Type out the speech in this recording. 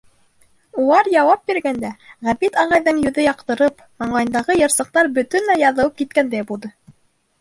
Улар яуап биргәндә, Ғәбит ағайҙың йөҙө яҡтырып, маңлайындағы йыйырсыҡтар бөтөнләй яҙылып киткәндәй булды.